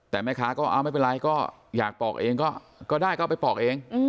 แต่แม่ค้าก็ไม่เป็นไรก็อยากปอกเองก็ได้ก็เอาไปปอกเอง